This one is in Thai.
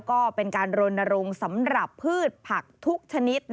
ก็เป็นการรณรงค์สำหรับพืชผักทุกชนิด